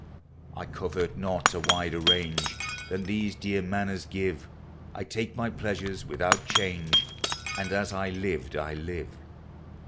I covet not a wider range Than these dear manors give; I take my pleasures without change, And as I lived I live.